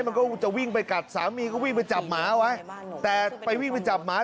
มันก็จะวิ่งไปกัดสามีก็วิ่งไปจับหมาไว้แต่ไปวิ่งไปจับหมา